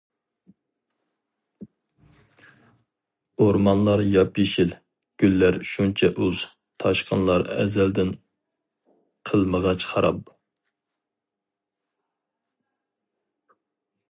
ئورمانلار ياپيېشىل، گۈللەر شۇنچە ئۇز، تاشقىنلار ئەزەلدىن قىلمىغاچ خاراب.